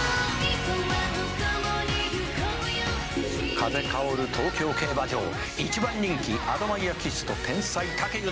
「風薫る東京競馬場」「一番人気アドマイヤキッスと天才武豊」